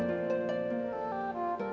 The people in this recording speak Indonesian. ya ma aku ngerti